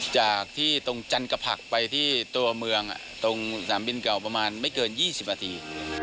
จากที่ตรงจันกระผักไปที่ตัวเมืองตรงสนามบินเก่าประมาณไม่เกิน๒๐นาที